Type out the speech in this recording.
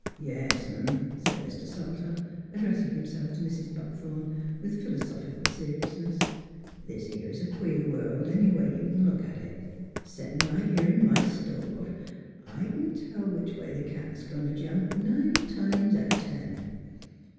Yes'm," said Mr. Salter, addressing himself to Mrs. Buckthorn, with philosophical seriousness, '' this 'ere 's a queer world, any way you c'n look at it. Settin' right here in my store, I c'n tell which way the cat 's goin' t' jump nine times out o ' ten.